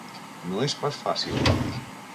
No és pas fàcil.